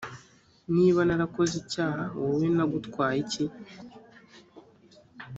niba narakoze icyaha wowe nagutwaye iki‽